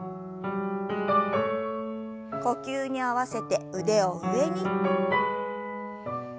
呼吸に合わせて腕を上に。